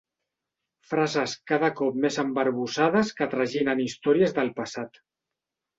Frases cada cop més embarbussades que traginen històries del passat.